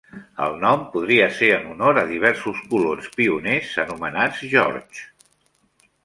El nom podria ser en honor a diversos colons pioners anomenats George.